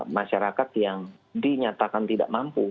masyarakat yang dinyatakan tidak mampu